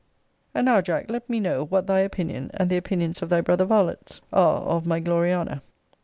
And now, Jack, let me know, what thy opinion, and the opinions of thy brother varlets, are of my Gloriana.